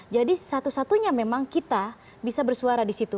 jadi satu satunya memang kita bisa bersuara disitu